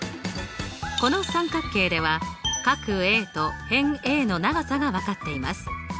この三角形では角Ａと辺の長さが分かっています。